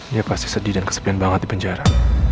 dia pasti sedih dan kesepian banget di penjara